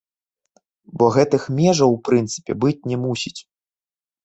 Бо гэтых межаў у прынцыпе быць не мусіць.